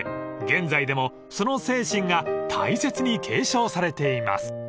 現在でもその精神が大切に継承されています］